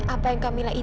apa yang kak mila idamkan